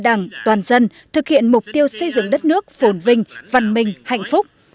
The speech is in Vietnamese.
đảng toàn dân thực hiện mục tiêu xây dựng đất nước phồn vinh văn minh hạnh phúc